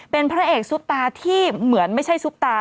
เป็นพระเอกซุปตาที่เหมือนไม่ใช่ซุปตา